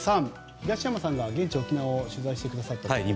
東山さんが現地・沖縄を取材してくださったそうですね。